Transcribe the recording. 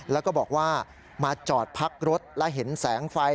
แล้วก็บอกว่ามาจอดพักรถและเห็นแสงไฟ